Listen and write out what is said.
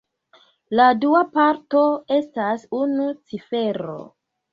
La dua parto estas unu cifero.